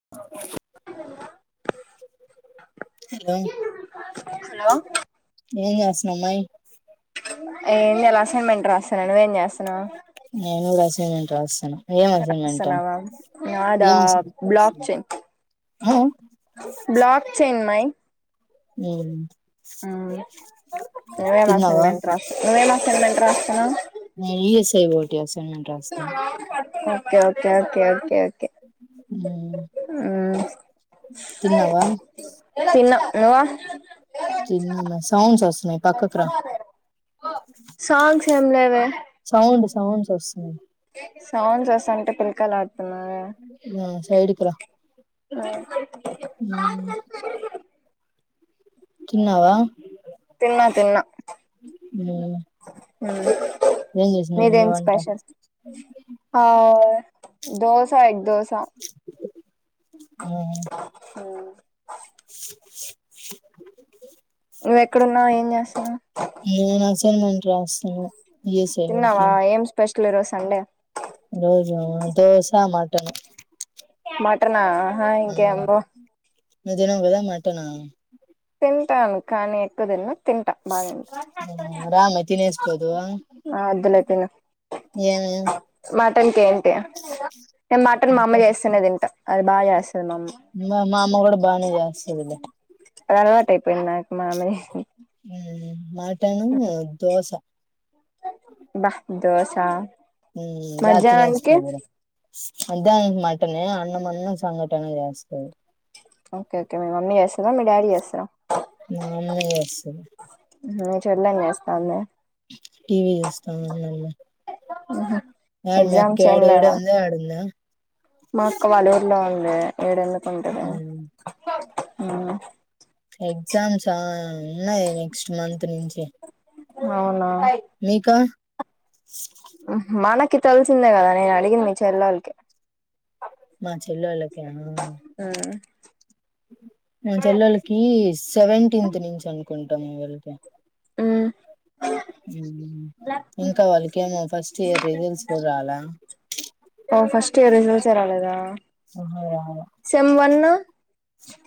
Hello స్మెల్లాయి ఎంలె assignment రాస్తాన్నా నువ్వేం చేస్తాన్నావు నేను కూడా అసైన్మెంట్ రాస్తాన రాస్తన్నావా యెడ ఏం అసైన్మెంట్ బ్లాక్ రాస్తున్నావ్ చెన్ ఆ బ్లాక్ చెన్ మై ఉ ఉ నువ్వేం తిన్నావా అసైన్మెంట్ రా నువ్వేం అసైన్మెంట్ రాస్తున్నావ్ క్యాసి ఇతున్నావా పడుకున్నాం ఓక ఓకే కే ఓకే ఓకే ఉ తిన్నావా హలో చిన్నంగా సౌండ్ వస్తున్నాయి పక్కకు రా సాంగ్స్ ఏం సౌండ్స్ వస్తున్నాయి సౌండ్ చస్తా అంటే పిలకలు ఆడుతున్నావే ఆ సైడికిల కన్నావా తిన్నా తిన్నా ఉమ్. ఉ ఏం చేసింది మీ మమ్మీ మీదేన్ వంట స్పెషల్ దోసా ఎ దోస స ఆఓ అ నువ్వెక్కడున్నావు ఏం చేసన్నా వస్తానుండు రాస్తున్న తిన్నావా ఏం స్పెషల్ ఎట్లో ఈరోజు సండే ఈరోజు దోశ మటన్ మటనా హా ఇంకె అమ్బో నువ్వు తినవు కదా మాటను తింటాను కానీ ఎక్కువ తిన్ను తింటా బానె రామ్మ తినేసిపోదువా ఆ వద్దులే తిను ఏమి మటన్ ఏంటి నేను మటన్ మా అమ్మ చేస్తేనే తింటా అది బాగాచెస్తది మాఅమ్మ కూడా బానే చేస్తులే అలవాటు అయిపోయింది నాకు మామని మా మటన్ దోశ దోస రాత్రి మధ్యానానికి మటనే అన్నం అన్నం సంఘటన చేస్తది ఓకే ఓకే మీ మమ్మి చేస్తది మ అమ్మె జెస్తది మీ చెల్లెం చేస్తాంది టీవీ చూస్తున్నారందరు అ కాదు మీఅక్క యాడ ఇడుందా ఆడుందా మా అక్క వలూరులో ఉంది హే ఇదేండుకుంటది ఆ ఎగ్జామ్స్ ఆ ఉన్నాయి నెక్స్ట్ మంత్ నుంచి అవునా మీకా ఆహా మనక్ నీ కి తెలిసిందే కదా, నేను అడిగింది మీ చెల్లెల్కి. మా చెల్లోలక మా చెల్లెలకి సెవెంటీన్త్ నుంచి అన్ కుంటాము వెళ్తే అ ఇంకా వాళ్ళకెమో ఫస్ట్ స్ట్ ఇయర్ రిజల్ట్స్ కూడా రాలా ఓ ఫస్ట్ ఇయర్ రిజల్ట్స్ ఏ రాలేదా సెమ్ము కాల సెమ్ వన్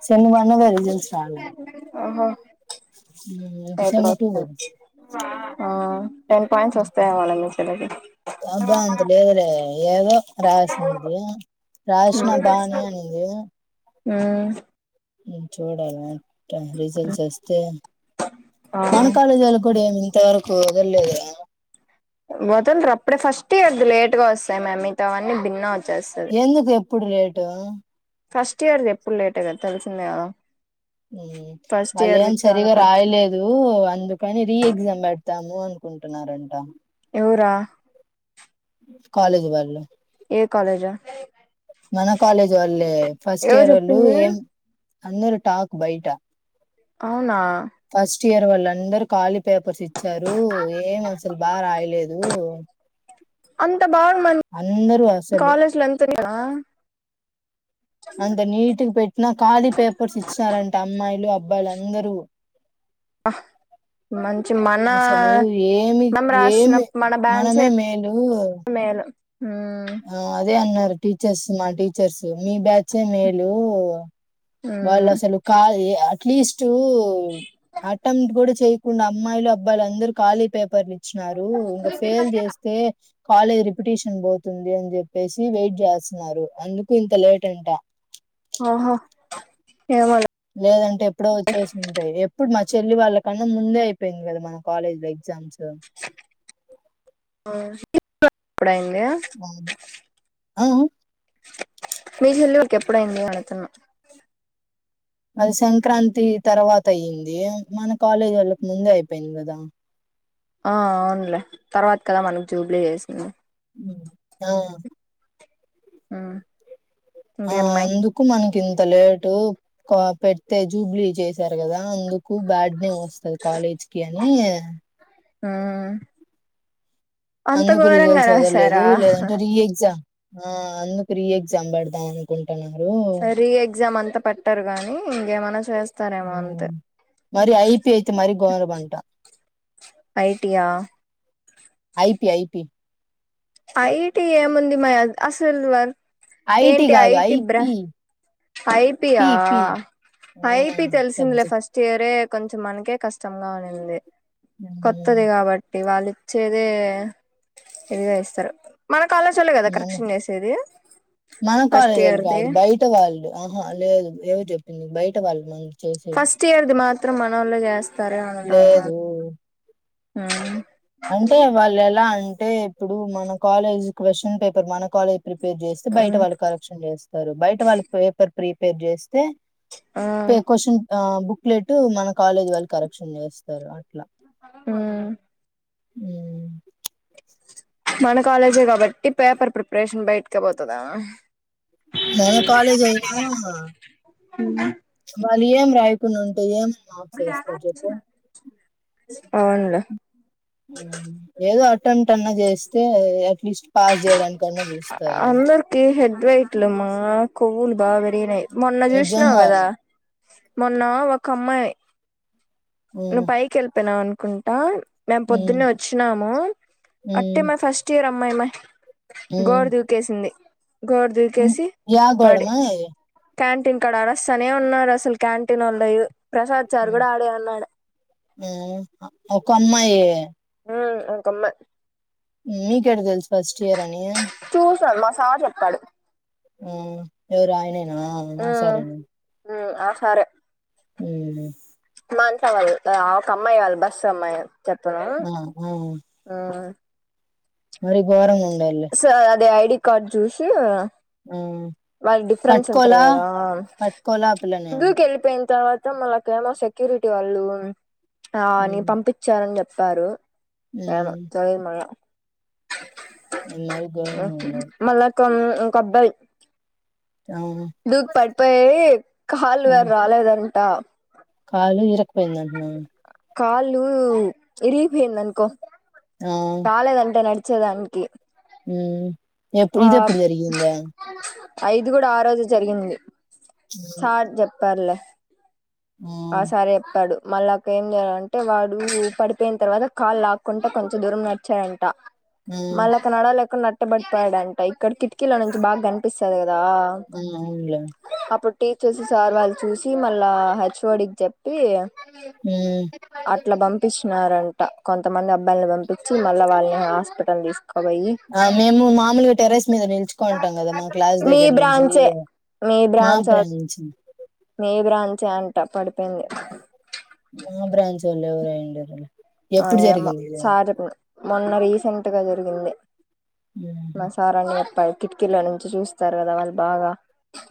సెమ్ము వన్ ఎవరిది చాలా అహ మ్మ్ సెమ్ము టూ, ఆ టెన్ పాయింట్స్ వస్తాయేమోలే మీ చెల్లికి అబ్బా అంత లేదులే ఏదో రాసింది రాశిన బానే అనింది ఆ చూడాలా రిజల్ట్స్ ఓస్తే, ఆ మన కాలేజీ వాళ కూడా ఏమి ఇంతవరకు తెలియదు కదా మొత్తం రప్రే ఫస్ట్ ఇయర్ ది లేట్ గా వస్తాయి మామ్ మిగతావన్నీ భిన్న వచ్చేస్తది ఎందుకు ఎప్ ప్పుడు లేటు ఫస్ట్ ఇయర్ది ఎప్పుడు లేటె గదా తెలిసిందే కదా మ్మ్ ఫస్ట్ మళ్ళ ఇయర్ వి ఏం చాలా సరిగా కరెక్షన్ రాయలేదు అందుకని రీ ఎగ్జామ్ పెడతాము కుంటున్నారంట నువ్ రా కాలేజ్ వాళ్లు ఏ కాలేజ మన కాలేజ్ వాళ్ళే ఫస్ట్ ఇయర్ వాళ్ళు చెప్పింది ఏం అన్నరు టాక్ బయటా అవునా ఫస్ట్ ఇయర్ వాళ్ళందరూ ఖాళీ పేపర్స్ ఇచ్చారు. ఏం అసలు బాగా రాయలేదు అం త బాగు అందరూ అసలు కాలేజ్ల అంత ఆ అంత నీటిగా పెట్టినా ఖాళీ పేపర్స్ ఇచ్చినారంట అమ్మాయిలు అబ్ అబ్బాయిలందరూ ఆ అసలు ఏమి మనం రాసిన ఏమి మన బ్యాచే మనమే మేలు మేలు మ్మ్ ఆ అదే అన్న టీచర్స్ మా టీచర్స్ మీ బ్యాచే మేలు వాళ్ల మ్మ్ అసలు కా ప్లీజ్ టూ ఆటం గుడ చేయకుండా అమ్మాయిలు అబ్బాయి అందరూ ఖాళీ పేపర్లు ఇచ్చినారు ఇంకా ఫెల్ చేస్తే కాలేజ్ రిపిటిషన్ పో తుంది అని చెప్పేసి వెయిట్ చేస్తున్నారు అందుకు ఇంత లేట్ అంట ఆహా లేదంటే ఎప్పుడో వచ్చేసి ఉంటాయి ఎప్పుడు మ చెల్లి వాళ్ళ కన్నా ముందే అయిపోయింది కదా మన కాలేజ్ లో ఎగ్జామ్స్ ఆ ఇప్పుడైదా అవును. ఆ! ఆ! మీ చేలికి ఎప్పుడ అయింది అడుతన్నా అది సంక్రాంతి తర్వాత అయింది మన కాలేజీ వాళ్ళకు ముందే అయిపోయింది కదా ఆ అవునులే తర్వాత కదా మనకు జూబ్లీ చేసింది ఆం ఆం ఆ ఎందుకు మనకు గింత లేటు పెడితే జూబ్లీ చేసారు కదా అందుకు క్కు బ్యాడ్ నేమ్ వస్తుది కాలేజ్ కి అని హు అందుకు రిజల్ట్స్ చవదలేదు రాసారా లేదంటే రీ ఎగ్జామ్ ఆ అందు ప్రీ ఎక్జామ్ పెడతాఅనుకుంట రీ ఎగ్జామ్ అంతా పట్టారు గాని ఏ మనసు మరి ఐపీ అయితే మరి గోరం మఅంట ఐటియా ఐపీ ఐపి ఐటీ ఏముంది మే అసలు అ ఐటీ కాదు ఐపీ ఐపియా పీ, పీ. ఆ! ఐపితెల్సిందలే సబ్జెక్ట్. ఫస్ట్ ఇయరే అతే కొంచెం మనకే కష్టంగా ఉనింది హ్మ్. కొత్తది కాబట్టి వాళ్ళు వచ్చేదే ఇదిగా ఇస్తారు మనక్ కాలేజ్ వోల్లే కదా మన కరెక్షన్ చేసేది మన ఫస్ట్ కాలేజోళ్ళు ఇయర్ దీ కాదు. బయట వాళ్ళు. ఆహా లేదు ఏవో చెప్పింది బయట వాళ్ళు మ ఫస్ట్ ఇయర్ది మా మాత్రం మనోళ్ళు చేస్తారు లేదు హు అంటే వాళ్ళు ఎలా అంటే ఇప్పుడు మన కాలేజ్ క్వశ్చన్ పేపర్ మన కాలేజ్ ప్రిపేర్ చేస్తేబయట వాళ్ళు కలెక్షన్ చేస్తారు బయట వాళ్ళు పేపర్ ప్రీపేర్ చేస్ ఆ పే కొశ్చన్ ఆ బుక్లెట్ మన కాలేజీ వాళ్ళు కరెక్షన్ చేస్తారు అట్లా హు మ్ మన కాలేజే కాబట్టి పేపర్ ప్రిపరేషన్ బయటికే పోతదా మన కాలేజ్ అయినా వాళ్ళు ఏం రాయకుండా ఉంటే ఏం మార్క్స్ వేస్తారు చెప్పు అవునులే ఏదో అటం అట్న్నా చేస్తే అట్లీస్ట్ పాస్ జెయడానికన్నా జుస్తారు ఇదే ఇట్లమ్మా కొవ్వులు బాగా పెరిగినయ్ మొన్న జుసినావు నిజంగా కదా మొన్న ఒక అమ్మాయ్ హ్మ్. నువ్వు పై కెల్పేనావ్ కుంటా మేము హ్మ్. పొద్దున్నే వచ్చినాము అట్టే హ్మ్. మా ఫస్ట్ ఇయర్ మై మై గోడ దూకేసింది గోడ మ్ దూకేసి యా పడి గోడమ్మాయ్ క్యాంటీన్ కాడ అడస్తనే ఉన్నారు అసలు క్యాంటీన్ ఓళ్లు మ్ ఒక అమ్మాయి మ్ ఒక అమ్మ మీకేట్ట తెలుసు ఫస్ట్ ఇయర్ అని చూసన్ మా సార్ చెప్పాడు మ్ ఎవరు ఆయనే అ ఆ సరేనం మ్ సారే అల గడే మానసలి ఒక అమ్మాయి కావాలి బస్ అమ్మాయి చెక్కన ఆ ఆ ఆ మరి గోరంగా ఉం స అదే ఐ ఇకాడ్ జూసి ఆ వాళ్ళు డిప్రేండ్స్ ఉంట్రరు పట్టుకోలా కదా పట్టుకోలా ఆ పిల్లని దూకి వెళ్ళిపోయింది తర్వాత మన క్లేమో సెక్యూరిటీ వాళ్ళు ఆ నీ పంపించరని చెప్ సారు ఏ చాల మ మరి ఘోరంగా ఉండేది మళ కొ కొబ్బాయి అవు ప కాళ్ళు వేరు రాలేదాని అట్ట కాలు ఇరకపోయిందంటున్నా కాలు ఇపోన్ అన్కో ఆ కాాలే దంటే నడిత వచ్చేదానికి ఆ ఎప్పు ఇది ఎప్పుడు జరిగింద ఐదు కూడా ఆ రోజు జరిగింది చార్ జబ్ పర్ల ఆ సారి చెప్తాడు మళ్ళా అక్క ఏం చేయాలంటే వాడు పడిపోయిన తర్వాత కాళ్ళు లాక్కుంటడా కొంచెం దూరం నడిచారంట ఆ మళ్లక్క నాడాల నేతబడుతడంత ఇక్కడ కిటికీలో నుంచి బాగా కనిపిస్తుంది కదా ఆ అవునులే [unintelligible] అప్పుడు టీచర్స్ సార్ వాళ్ళు చూసి మళ్ళా హచ్ చోడికి చెప్పి అ ఇట్లా పంపించినారంట కొంతమంది అబ్బాయిని పంపించి మళ్ళా వాళ్ళని హాస్పిటల్ తీ ఆ మేము మామూలుగా టెరెస్ మీద నిలుచుకుంటాం కదా మా క్లాస్ మీ దగ్గర నుంచి బ్రాంచే మీ మా [unintelligible] చ ట్ట పడిపోయింది మా బ్రాంచ వాళ్ళు ఎవరు అయ్యి ఉండరులే ఆ ఏమో సార్ చెప్పాడు మొన్న రీసెంట్ [unintelligible] జరిగింది మా సార్ అని [unintelligible] కిటికీలో నుంచి చూస్తారు కదా వాళ్ళు బాగా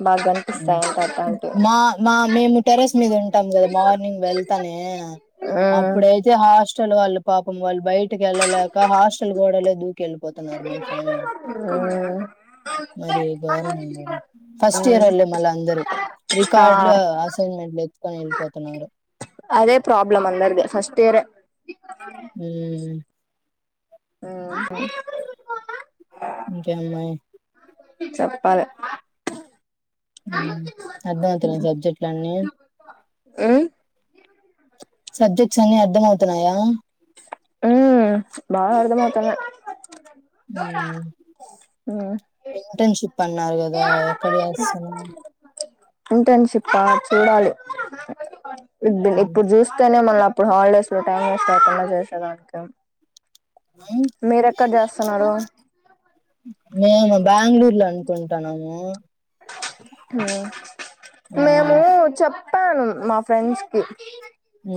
బాగా కనిపిస్తాయంట అట్లాంటివి మా మా మేము టెరస్ మీద ఉంటాం కదా మార్నింగ్ వెళ్తానే మ్మ్ అప్పుడైతే హాస్ [unintelligible] పాపం వాళ్ళు బయటికి ఎళ్ళలేక హాస్టల్ గోడలే దూకి ఎళ్ళిపోతున్నారు మై సామి మరి గోరంగా ఉన్నారా ఫస్ట్ [unintelligible] ఇయర్స్ మ్మ్ వల్లే మళ్ళ అందరు ఆ రికార్డులు అసైన్మెంట్లు ఎత్తుకొని వెళ్ళిపోతున్నారు అదే ప్రాబ్లం అందరిది ఫస్ట్ ఇయరే మ్మ్ మ్ ఇంకేమున్నాయి చెప్పాలే ఉ అర్థమవుతున్నాయ సబ్జెక్టులన్నీ ఉమ్ సబ్జెక్ట్స్ అన్ని అర్ధమవుతున్నాయా ఉ బాగా అర్థమవుతున్నాయి ఉ ఉమ్ ఇంటర్న్షిప్ అన్న న్నారు కదా ఎక్కడ చేస్తున్నావు ఇంటర్న్షిప్పా చూడాలి ఇప్పుడు చూస్తేనే మళ్ళ అ ఇప్పుడు హాలిడేస్ లో టైం వేస్ట్ ఐపోలా చేసేదానికా మేము బెంగళూరు లో ఉం ఉంటన్నాము ఆ మేము చెప్ ప్పాను మా ఫ్రెండ్స్కి ఉ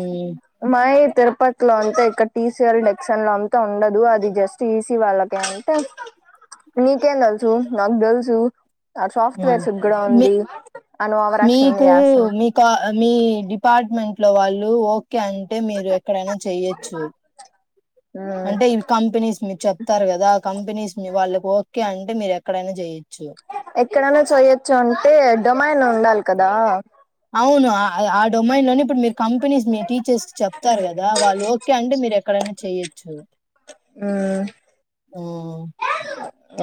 మాయ తిరుపతిలో అంటే ఇక్కడ టీ సీ ఎల్ డెక్షన్ లో అంతా ఉండదు. అది జస్ట్ ఈ సీఈ వాళ్ళకే అంటే నీకేం తెలుసు నాకు తెలుసు ఆ ఉ సాఫ్ట్వేర్స్ కూడా మీ ఉంది అని ఓవరాక్షన్ మీకు చేస్తాను మీక మీ డిపార్ట్మెంట్ ట్లో వాళ్ళు ఓ కే అంటే మీరు ఎక్కడైనా చెయ్యొచ్చు అంటే ఇవి కంపెనీస్ మీరు చెప్తారు. కదా ఆ కంపెనీస్ మీ వాళ్ళకి ఓకే అంటే మీరు ఎ ఎక్కడైనా చెయ్ ఎక్కడైనా చేయొచ్చు అం టే డోమాయిన్ ఉండాలి కదా అవును ఆ ఆ డొమైన్ లోనే ఇప్పుడు మీరు కంపెనీస్ మీ టీచర్స్ కి చెప్తారు. గాదా వాళ్ళు ఓకే అంటే మీరు ఎక్కడైనా చెయ్యొచ్చు. ఉ ఉ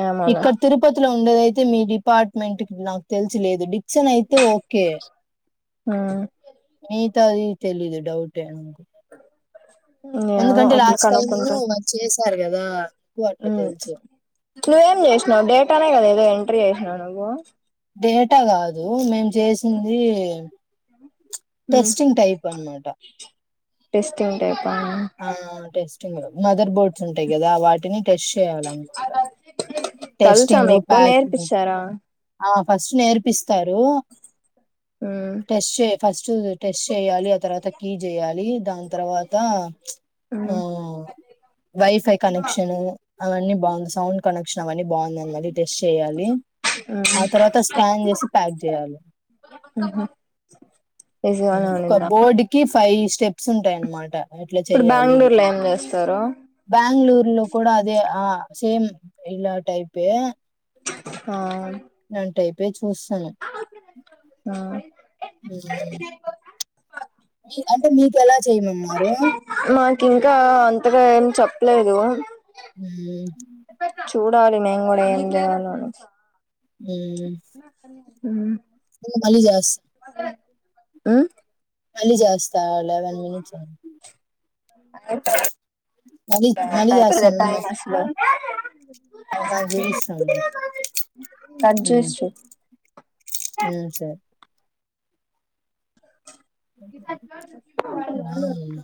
ఏమోలే ఇక్కడ తిరుపతిలో ఉ ఉండేదయితే మీ డిపార్ట్మెంట్కి నాకు తెలిసి లేదు డిక్షన్ అయితే ఓకే ఉ మిగతాది తెలిదు డౌటే ఏమో ఎందుకంటే అప్పుడు లాస్ట్ టైమ్ కనుక్కుంటాను మ చేసారు కదా నాకు అట్లా తెలుసు నువ్వు డేటానే కదా ఏదో ఎంట్రీ చేసినావ్ నువ్వు డే ట కాదు మేము చేసింది టెస్టింగ్ టైప్ అన్న మాటా టెస్టింగ్ టైప్ ఆ టెస్ట్ంగ్ మదర్ బోర్డ్స్ ఉంటాయి గా దా వాటిని టెస్ట్ చేయాలన్నమాట తెలుసా టెస్టింగ్ మీకు ప్యాకింగ్ నేర్పిచ్చారా ఆ ఫస్ట్ నేర్పిస్తారు మ్మ్ టెస్ట్ చేపి ఫస్ట్ టెస్ట్ చేయాలి. ఆ తర్వాత కీ చేయాలి దాని తర్వాత ఆ మ్మ్ వైఫై కనెక్షను అవన్నీ బాగుంది సౌండ్ కనెక్షన్ అవన్నీ బాగుందన్నదీ టస్ చేయాలి, ఆ తర్వాత స్కాన్ చేసి ప్యాక్ చేయాలి, బిజీగానే ఒక ఉన్నిందా బోర్డ్ కి ఫైవ్ స్టెప్స్ ఉంటాయనమాట ఇప్పుడు చెయాలి బెంగళూరు లో ఏం చేస్తారు బెంగళూరు లో కూడా అదే ఆ సేమ్ ఇలా టైప్ హే ఆ న టైపే వస్తాను ఆ చేయమన్నారు మాకు ఇంకా అంతట ఏం చెప్ ఎలా ఎదు మ్ డి మే కూడా కూడా ఎ మ్ మ్ మల్లి చెస్ ఆ మల్లి చెస్ చ లేవెన్ మనిట్స్ మళ్ళీ మళ్ళీ చేస్తాను నాకు చూపిస్తుంది సరే [inaudible] బాగుంది